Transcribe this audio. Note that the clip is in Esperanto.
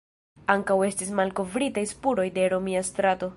Ankaŭ estis malkovritaj spuroj de romia strato.